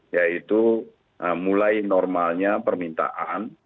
yaitu mulai normalnya permintaan